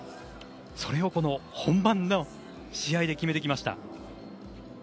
それを本番の試合で決めてきました。